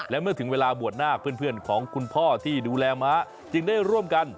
และเมื่อถึงเวลาบวชนาคเพื่อนของคุณพ่อที่ดูแลม้าจึงได้ร่วมกัน